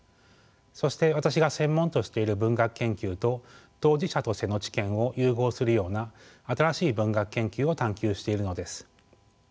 そして私が専門としている文学研究と当事者としての知見を融合するような新しい文学研究を探求しているのです。